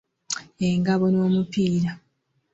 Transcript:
Engabo n’omupiira.